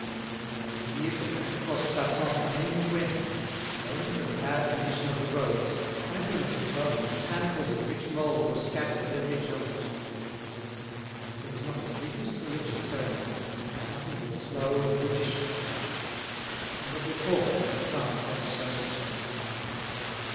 The vehicle had to cross Plassans from end to end, and owing to the bad condition of the roads fragments of bones and handfuls of rich mould were scattered at every jolt. There was not the briefest religious ceremony, nothing but slow and brutish cartage. Never before had a town felt so disgusted.